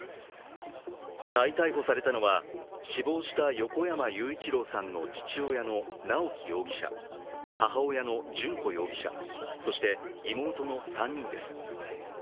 再逮捕されたのは、死亡した横山雄一郎さんの父親の直樹容疑者母親の順子容疑者そして妹の３人です。